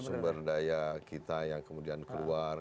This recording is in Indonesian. semerdaya kita yang kemudian keluar